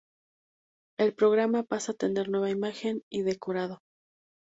El programa pasa a tener nueva imagen y decorado.